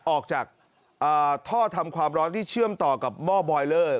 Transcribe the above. ออกจากท่อทำความร้อนที่เชื่อมต่อกับหม้อบอยเลอร์